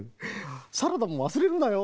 「サラダもわすれるなよ